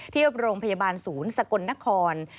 ที่โรงพยาบาลศูนย์สกลนคร